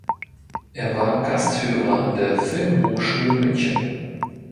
Er war Gasthörer an der Filmhochschule München.